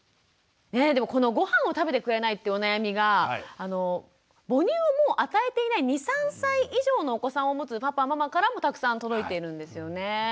でもこのごはんを食べてくれないってお悩みが母乳をもう与えていない２３歳以上のお子さんを持つパパママからもたくさん届いているんですよね。